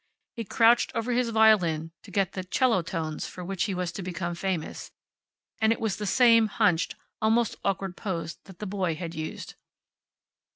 He crouched over his violin to get the 'cello tones for which he was to become famous, and it was the same hunched, almost awkward pose that the boy had used.